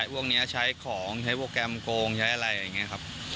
พวกนี้ใช้ของใช้โปรแกรมโกงใช้อะไรอย่างนี้ครับ